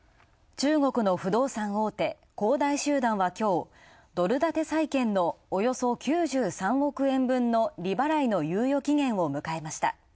中国の不動産大手、恒大集団はきょうドル建て債券のおよそ９３億円分の利払いの猶予期限を迎えました。